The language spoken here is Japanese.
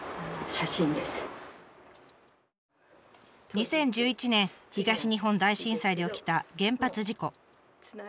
２０１１年東日本大震災で起きた原発事故。